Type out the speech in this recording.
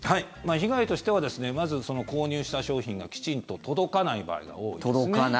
被害としてはまず、購入した商品がきちんと届かない場合が多いですね。